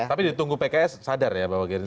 tapi ditunggu pks sadar ya pak mardhani